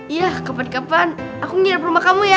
iya kapan kapan aku nyiap rumah kamu ya